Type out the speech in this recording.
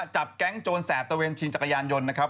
จับแก๊งโจรแสบตะเวนชิงจักรยานยนต์นะครับ